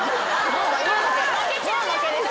もう負けです。